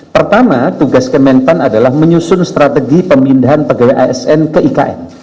pertama tugas kementan adalah menyusun strategi pemindahan pegawai asn ke ikn